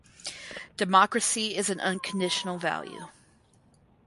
Democracy is an unconditional value.